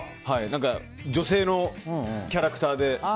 女性のキャラクターで。